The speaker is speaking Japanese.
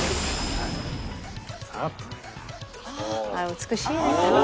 美しい。